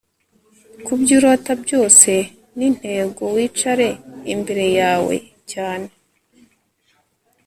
kubyo urota byose nintego wicare imbere yawe cyane